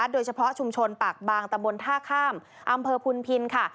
โดยเฉพาะชุมชนปากบางตะบนท่าข้ามอำเภอพุนพินค่ะ